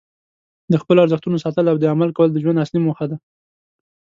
د خپلو ارزښتونو ساتل او عمل کول د ژوند اصلي موخه ده.